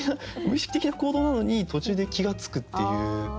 無意識的な行動なのに途中で気が付くっていう。